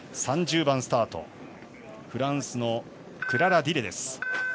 ３０番スタート、フランスのクララ・ディレです。